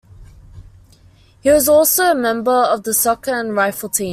He was also a member of the soccer and rifle teams.